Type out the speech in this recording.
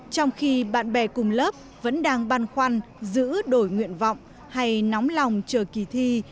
trong khi bạn bè cùng lớp vẫn đang băn khoăn giữ đổi nguyện vọng hay nóng lòng chờ kỳ thi